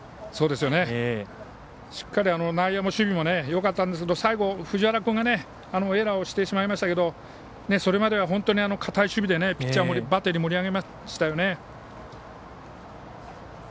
しっかり内野の守備もよかったんですけど最後、藤原君がエラーをしてしまいましたけどそれまでは堅い守備でピッチャー、バッテリーを盛り上げましたよね。